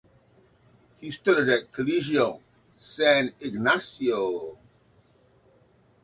He studied at Colegio San Ignacio.